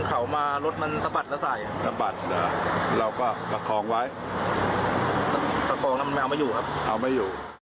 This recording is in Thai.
เอามาอยู่